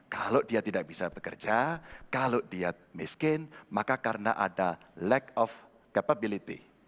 kalau dia tidak bisa bekerja kalau dia miskin maka karena ada lack of capability